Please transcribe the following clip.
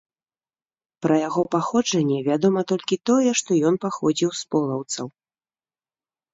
Пра яго паходжанне вядома толькі тое, што ён паходзіў з полаўцаў.